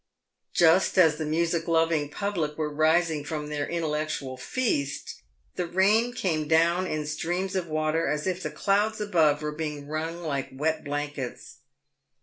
Just as the music loving public were rising from their intellectual feast, the rain came down in streams of water as if the clouds above were being wrung like wet blankets.